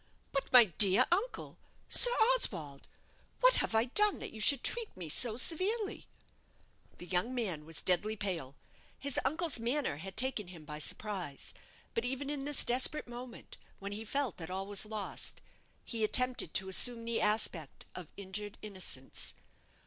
"But, my dear uncle Sir Oswald what have I done that you should treat me so severely?" The young man was deadly pale. His uncle's manner had taken him by surprise; but even in this desperate moment, when he felt that all was lost, he attempted to assume the aspect of injured innocence.